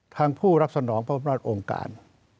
ผู้รับสนองพระอำนาจองค์การ